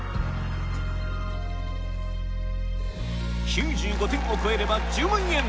９５点を超えれば１０万円！